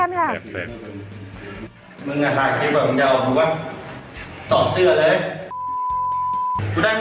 มึงน่ะหาทริปบางเยาท์ผมก็สอบเสื้อเลย